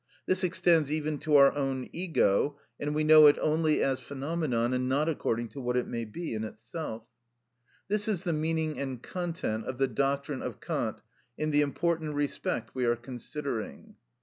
This extends even to our own ego, and we know it only as phenomenon, and not according to what it may be in itself." This is the meaning and content of the doctrine of Kant in the important respect we are considering.